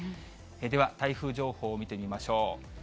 では台風情報を見てみましょう。